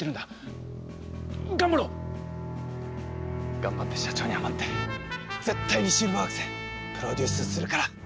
頑張って社長にハマって絶対にシルバーアクセプロデュースするから！